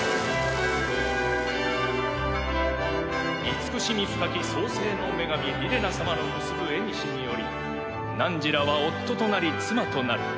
慈しみ深き創世の女神リレナ様の結ぶえにしによりなんじらは夫となり妻となる。